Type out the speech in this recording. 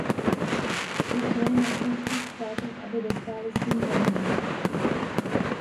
I zde je na členských státech, aby dostály svým povinnostem.